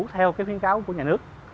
theo khuyến cáo của nhà nước